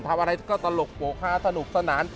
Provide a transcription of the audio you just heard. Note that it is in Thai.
ทำอะไรก็ตลกโปรกฮาสนุกสนาน